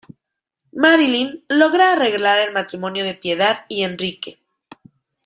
Marilyn logra arreglar el matrimonio de Piedad y Enrique.